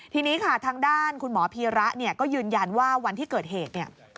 ทีนี้ค่ะทางด้านคุณหมอพีระเนี่ยก็ยืนยันว่าวันที่เกิดเหตุเนี่ย